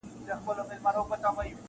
لا هم پاڼي پاڼي اوړي دا زما د ژوند کتاب.